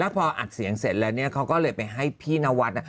แล้วพออัดเสียงเสร็จแล้วเขาก็เลยไปให้พี่นวัด